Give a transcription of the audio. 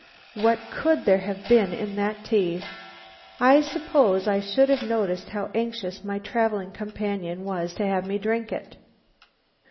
What could there have been in that tea? I suppose I should have noticed how anxious my travelling companion was to have me drink it.